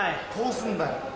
こうすんだよ。